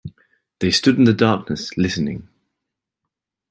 They stood in the darkness listening.